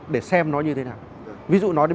để xem nó như thế nào ví dụ nói đến